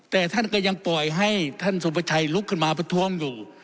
แต่ท่านก็ยังปล่อยให้ท่านสุประชัยลุกขึ้นมาประท้วงอยู่